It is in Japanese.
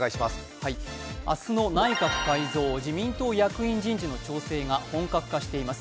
明日の内閣改造・自民党役員人事の調整が本格化しています。